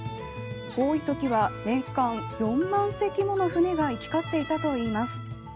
多いときは年間４万隻もの船が行き交っていたといいます。